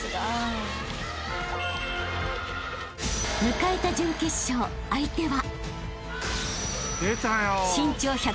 ［迎えた準決勝相手は］